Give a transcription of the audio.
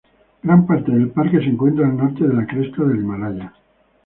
Gran parte del parque se encuentra al norte de la cresta del Himalaya.